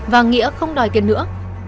và nghĩa không đòi tiền nữa